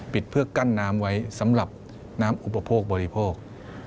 เพื่อกั้นน้ำไว้สำหรับน้ำอุปโภคบริโภค